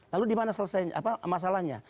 lalu dimana masalahnya